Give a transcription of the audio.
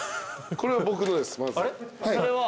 これ僕のです。